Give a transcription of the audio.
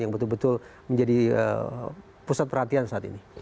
yang betul betul menjadi pusat perhatian saat ini